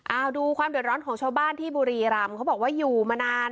เอาดูความเดือดร้อนของชาวบ้านที่บุรีรำเขาบอกว่าอยู่มานาน